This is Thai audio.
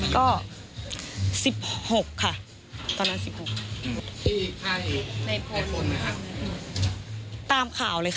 ก็สิบหกค่ะตอนนั้นสิบหกที่ค่ายในฝนนะฮะตามข่าวเลยค่ะ